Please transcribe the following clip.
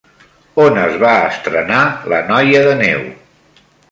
On es va estrenar La noia de neu?